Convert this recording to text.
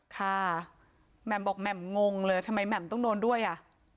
แหม่มบอกแหม่มงเลยทำไมแหม่มต้องโดนด้วยอ่ะ